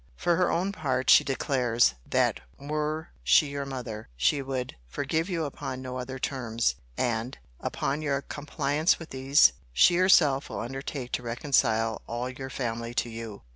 For her own part, she declares, that were she your mother, she would forgive you upon no other terms: and, upon your compliance with these, she herself will undertake to reconcile all your family to you.